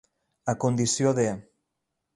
A condició de.